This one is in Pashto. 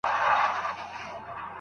ډلي ډلي له هوا څخه راتللې